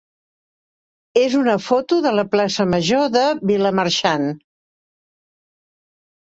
és una foto de la plaça major de Vilamarxant.